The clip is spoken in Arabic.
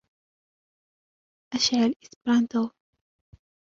أَشِع الإسبرانتو!